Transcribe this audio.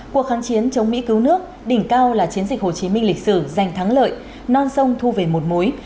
cuộc kháng chiến chống mỹ cứu nước đỉnh cao là chiến dịch hồ chí minh lịch sử giành thắng lợi non sông thu về một mối